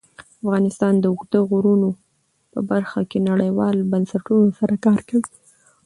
افغانستان د اوږده غرونه په برخه کې نړیوالو بنسټونو سره کار کوي.